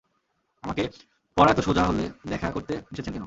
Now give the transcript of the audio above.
আমাকে পড়া এত সোজা হলে দেখা করতে এসেছেন কেন?